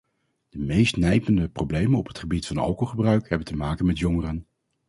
De meest nijpende problemen op het gebied van alcoholgebruik hebben te maken met jongeren.